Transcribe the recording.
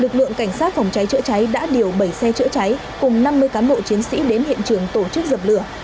lực lượng cảnh sát phòng cháy chữa cháy đã điều bảy xe chữa cháy cùng năm mươi cán bộ chiến sĩ đến hiện trường tổ chức dập lửa